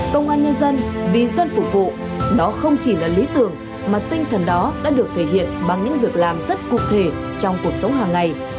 công an nhân dân vì dân phục vụ đó không chỉ là lý tưởng mà tinh thần đó đã được thể hiện bằng những việc làm rất cụ thể trong cuộc sống hàng ngày